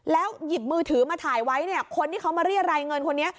หยิบมือถือมาถ่ายไว้เนี่ยคนที่เขามาเรียรายเงินคนนี้